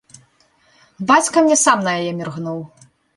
Бацька мне сам на яе міргнуў.